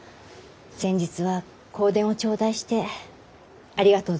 「先日は香典を頂戴してありがとう存じました」と。